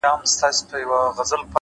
خپل کار د وجدان له مخې ترسره کړئ’